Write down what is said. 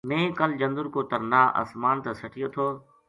میں کل جندر کو ترنا اسمان نا سٹیو تھو